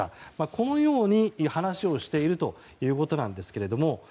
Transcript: このように話をしているということなんですけれども。